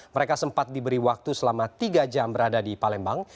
mereka sempat diberi waktu selama tiga jam berada di palembang